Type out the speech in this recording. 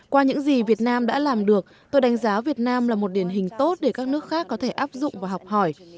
qua những gì việt nam đã làm được tôi đánh giá việt nam là một điển hình tốt để các nước khác có thể áp dụng và học hỏi